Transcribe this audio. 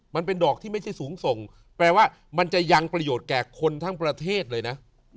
มันเป็นดอกที่ไม่ใช่สูงส่งแปลว่ามันจะยังประโยชน์แก่คนทั้งประเทศเลยนะ